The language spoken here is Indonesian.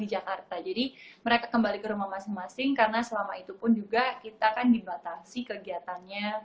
jadi mereka kembali ke rumah masing masing karena selama itu pun juga kita kan dibatasi kegiatannya